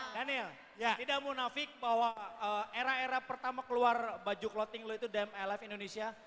daniel tidak munafik bahwa era era pertama keluar baju clothing lo itu dm lf indonesia